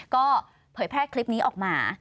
ก็เผยแพร่คลิปนี้ออกมา